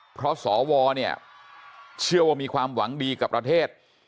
เพราะสวเนี่ยเชื่อว่ามีความหวังดีกับประเทศ